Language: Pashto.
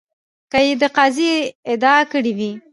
که یې د قاضي ادعا کړې وي.